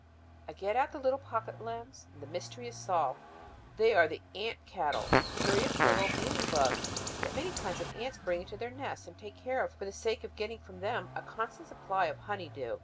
I get out the little pocket lens. And the mystery is solved. They are the "ant cattle," the curious little mealy bugs that many kinds of ants bring into their nests and take care of for the sake of getting from them a constant supply of "honey dew."